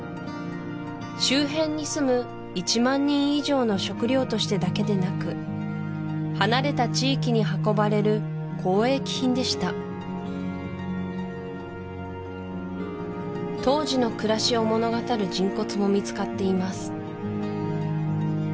周辺に住む１万人以上の食料としてだけでなく離れた地域に運ばれる交易品でした当時の暮らしを物語る人骨も見つかっています